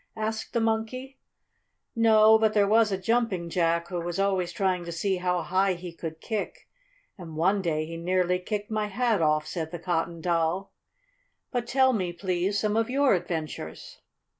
asked the Monkey. "No. But there was a Jumping Jack who was always trying to see how high he could kick, and one day he nearly kicked my hat off," said the Cotton Doll. "But tell me, please, some of your adventures."